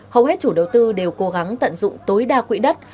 hầu hết chủ đầu tư đều cố gắng tận dụng tối đa quỹ đất